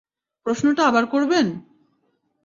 প্রশ্নটা আবার করবেন?